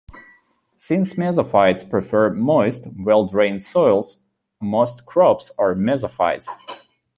Since mesophytes prefer moist, well drained soils, most crops are mesophytes.